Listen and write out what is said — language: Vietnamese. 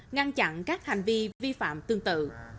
ngăn chặn các hành vi vi phạm tương tự